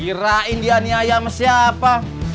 kirain dia niayam siapa